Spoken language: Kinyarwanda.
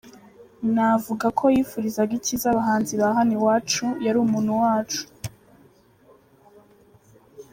Navuga ko yifurizaga icyiza abahanzi ba hano iwacu, yari umuntu wacu.